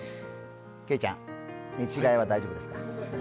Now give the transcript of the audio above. けいちゃん、寝違えは大丈夫ですか？